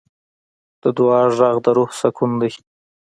د دعا غږ د روح سکون دی.